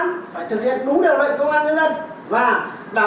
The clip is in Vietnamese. đồng chí quá trình phá án phá án phải thực hiện đúng điều đoạn công an dân dân